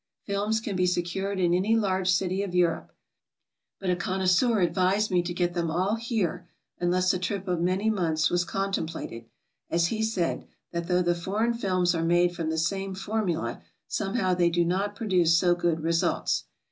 Films can be secured in any large city of Europe, but a connoisseur advised me to get them all here unless a trip of many months w^as contemplated, as he said that though the foreign films are made from the same for mula, somehow they do not produce so good results.